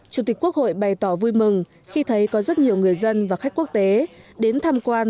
chủ tịch quốc hội bày tỏ vui mừng khi thấy có rất nhiều người dân và khách quốc tế đến tham quan